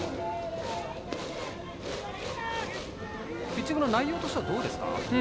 ピッチングの内容としてはどうですか？